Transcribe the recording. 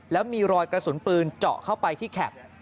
แล้วมีรอยกระสุนปืนเจาะเข้าไปที่แคป